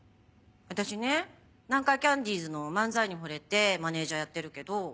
私ね南海キャンディーズの漫才にほれてマネジャーやってるけど。